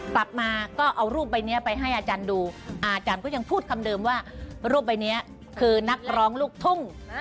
กลับมาก็เอารูปใบนี้ไปให้อาจารย์ดูอาจารย์ก็ยังพูดคำเดิมว่ารูปใบนี้คือนักร้องลูกทุ่ง